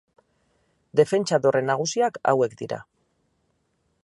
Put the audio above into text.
Defentsa dorre nagusiak hauek dira.